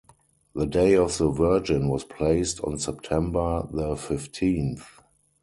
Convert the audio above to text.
The day of the Virgin was placed on September the fifteenth.